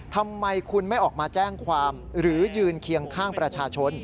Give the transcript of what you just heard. ทำไมคุณไม่ออกมาแจ้งความหรือยืนเคียงข้างประชาชน